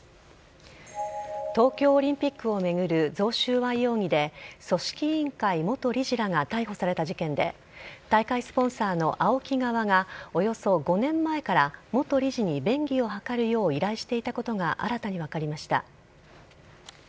東京オリンピックを巡る贈収賄容疑で組織委員会元理事らが逮捕された事件で大会スポンサーのＡＯＫＩ側がおよそ５年前から元理事に便宜を図るよう依頼していたことが新たに分かりました。